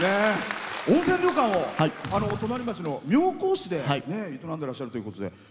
温泉旅館を隣町の妙高市で営んでらっしゃるということで。